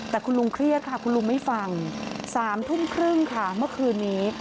แต่คุณลุงเครียดค่ะคุณลุงไม่ฟัง๓ทุ่มครึ่งค่ะเมื่อคืนนี้